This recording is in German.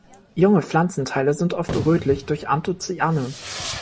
Junge Pflanzenteile sind oft rötlich durch Anthocyane.